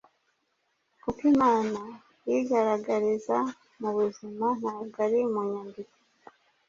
kuko Imana yigaragariza mu buzima ntabwo ari mu nyandiko